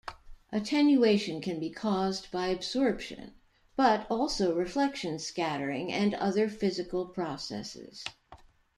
Attenuation can be caused by absorption, but also reflection, scattering, and other physical processes.